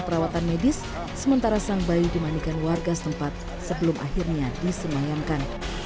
perawatan medis sementara sang bayu dimandikan warga sempat sebelum akhirnya disemangankan